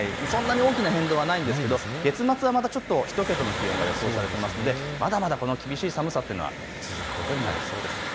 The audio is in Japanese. そんなに大きな変動はないんですけれど月末はちょっと１桁の気温が予想されていますのでまだまだこの厳しい寒さというのは続くことになりそうです。